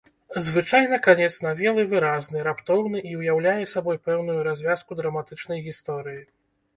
Звычайна канец навелы выразны, раптоўны і ўяўляе сабой пэўную развязку драматычнай гісторыі.